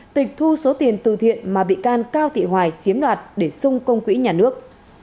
tịch thu số tiền từ thiện mà bị can cao thị hoài chiếm đoạt để xung công quỹ nhà nước